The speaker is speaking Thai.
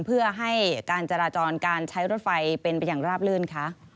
เพื่อให้การจราจรการใช้รถไฟเป็นไปอย่างราบลื่นคะ